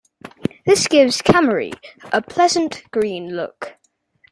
This gives Cammeray a pleasant green look.